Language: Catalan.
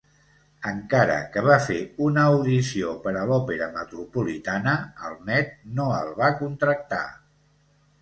Encara que va fer una audició per a l'Òpera Metropolitana, el Met no el va contractar.